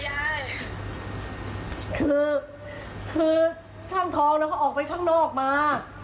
ยายคือคือช่างทองเราก็ออกไปข้างนอกมา